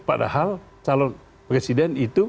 padahal calon presiden itu